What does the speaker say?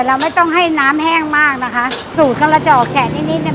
แต่เราไม่ต้องให้น้ำแห้งมากนะคะสูสเครือจอกแชะนิดนี้เนี่ย